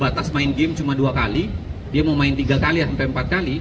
batas main game cuma dua kali dia mau main tiga kali sampai empat kali